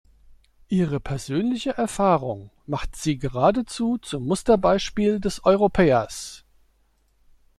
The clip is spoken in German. Ihre persönliche Erfahrung macht Sie geradezu zum Musterbeispiel des Europäers.